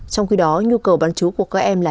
trong khi đó nhu cầu bán chú của các em là